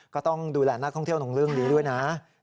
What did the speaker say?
ก็ต้องดูแลนักท่องเที่ยวตรงเรื่องนี้ด้วยนะ